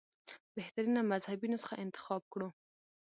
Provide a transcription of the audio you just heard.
بهترینه مذهبي نسخه انتخاب کړو.